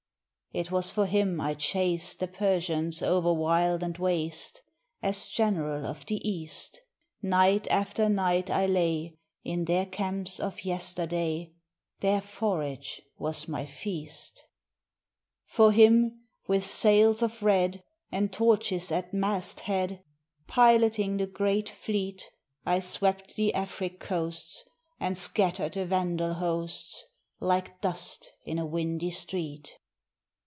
It was for him I chased The Persians o'er wild and waste, As General of the East; Night after night I lay In their camps of yesterday; Their forage was my feast. 564 BELISARIUS For him, with sails of red, And torches at masthead, Piloting the great fleet, I swept the Afric coasts And scattered the Vandal hosts, Like dust in a windy street.